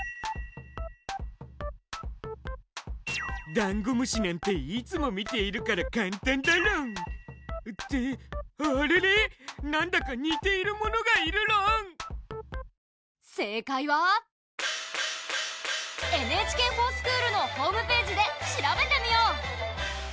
ダンゴムシなんていつも見ているから簡単だろん！ってあれれなんだか似ているものがいるろん⁉正解は「ＮＨＫｆｏｒＳｃｈｏｏｌ」のホームページで調べてみよう！